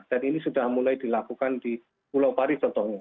dan ini sudah mulai dilakukan di pulau pari contohnya